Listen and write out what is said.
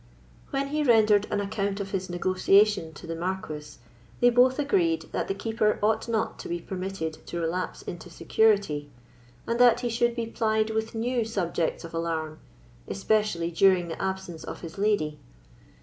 When he rendered an account of his negotiation to the Marquis, they both agreed that the Keeper ought not to be permitted to relapse into security, and that he should be plied with new subjects of alarm, especially during the absence of his lady.